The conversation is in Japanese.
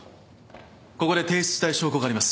ここで提出したい証拠があります。